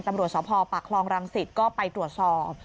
ตำรวจสอบภอปกครองรังศิษย์ก็ไปตรวจสอบ